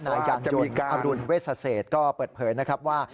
นายการยนต์อบรุณเวชศเศษก็เปิดเผยนะครับว่า